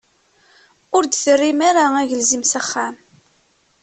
Ur d-terrim ara agelzim s axxam.